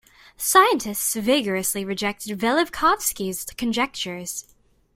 Scientists vigorously rejected Velikovsky's conjectures.